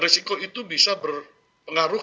resiko itu bisa berpengaruh